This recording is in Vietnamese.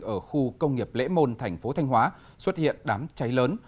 ở khu công nghiệp lễ môn thành phố thanh hóa xuất hiện đám cháy lớn